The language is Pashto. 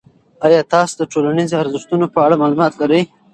آیا تاسو د ټولنیزو ارزښتونو په اړه معلومات لرئ؟